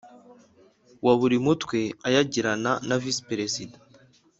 Wa buri mutwe ayagirana na visi perezida